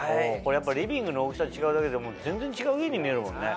リビングの大きさ違うだけで全然違う家に見えるもんね。